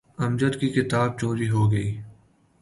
امجد کی کتاب چوری ہو گئی۔